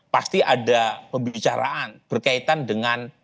pasti ada pembicaraan berkaitan dengan